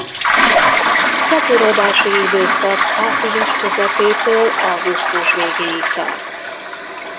Szaporodási időszak április közepétől augusztus végéig tart.